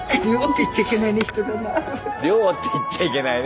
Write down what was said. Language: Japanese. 量って言っちゃいけないね。